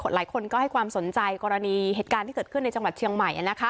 หลายคนก็ให้ความสนใจกรณีเหตุการณ์ที่เกิดขึ้นในจังหวัดเชียงใหม่